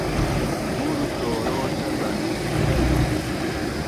Muru tuuruuta rantikushayki.